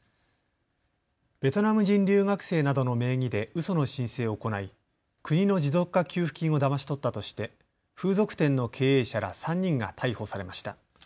ベトナム人留学生などの名義でうその申請を行い国の持続化給付金をだまし取ったとして風俗店の経営者ら３人が逮捕されました。